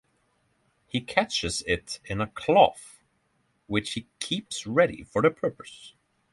He catches it in a cloth which he keeps ready for the purpose.